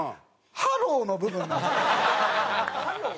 「ハロー！」の部分。